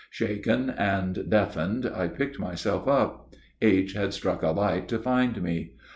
Shaken and deafened, I picked myself up; H. had struck a light to find me.